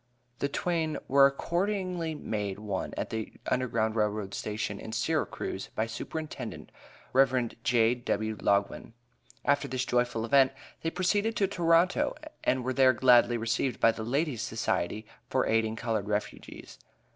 The twain were accordingly made one at the U.G.R.R. Station, in Syracuse, by Superintendent Rev. J.W. Loguen. After this joyful event, they proceeded to Toronto, and were there gladly received by the Ladies' Society for aiding colored refugees.